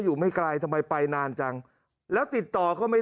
อยู่ไม่ไกลทำไมไปนานจังแล้วติดต่อเขาไม่